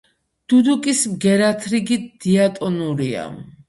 დუდუკის ბგერათრიგი დიატონურია.